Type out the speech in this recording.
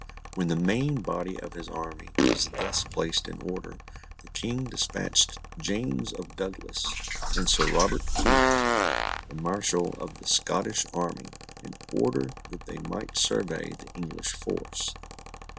When the main body of his army was thus placed in order, the King dispatched James of Douglas, and Sir Robert Keith, the Mareschal of the Scottish army, in order that they might survey the English force.